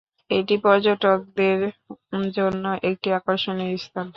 এটি পর্যটকদের জন্য একটি আকর্ষণীয় স্থান।